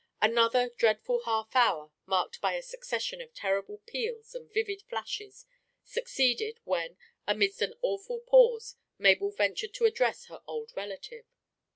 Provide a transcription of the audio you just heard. Another dreadful half hour, marked by a succession of terrible peals and vivid flashes, succeeded, when, amidst an awful pause, Mabel ventured to address her old relative.